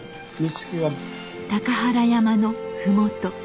高原山の麓。